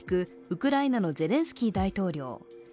ウクライナのゼレンスキー大統領。